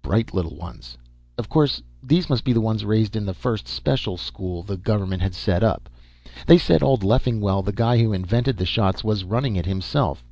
Bright little ones. Of course, these must be the ones raised in the first special school the government had set up. They said old Leffingwell, the guy who invented the shots, was running it himself.